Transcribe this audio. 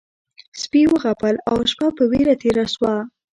سپي وغپل او شپه په وېره تېره شوه.